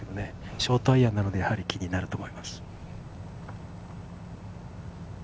ショートアイアンなので、やはり気になると思います。